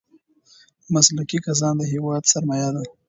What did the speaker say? مسلکي کسان د هېواد سرمايه ده.